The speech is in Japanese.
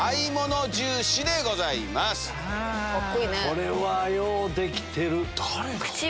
これはようできてる！